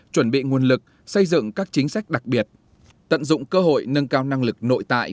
chuẩn bị nguồn lực xây dựng các chính sách đặc biệt tận dụng cơ hội nâng cao năng lực nội tại